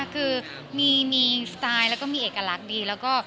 คือมีสไตล์แล้วก็มีเอกลักษณ์ดี